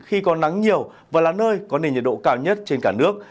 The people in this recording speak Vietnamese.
khi có nắng nhiều và là nơi có nền nhiệt độ cao nhất trên cả nước